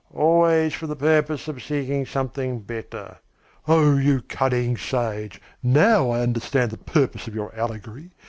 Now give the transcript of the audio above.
Always for the purpose of seeking something better " "Oh, you cunning sage, now I understand the purpose of your allegory!